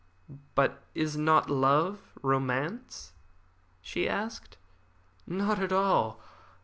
"But is not love romance?" she asked. "Not at all.